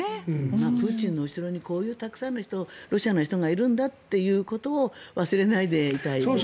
プーチンの後ろにこういうたくさんのロシアの人がいるんだということを忘れないでいたいですね。